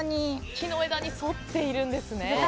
木の枝に沿っていたんです。